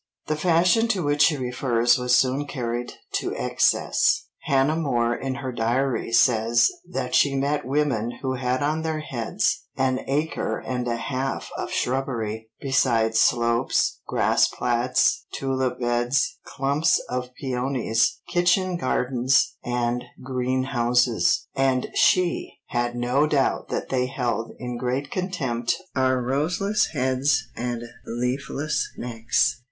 The fashion to which she refers was soon carried to excess; Hannah More in her Diary says that she met women who had on their heads "an acre and a half of shrubbery, besides slopes, grass plats, tulip beds, clumps of peonies, kitchen gardens, and green houses," and she "had no doubt that they held in great contempt our roseless heads and leafless necks."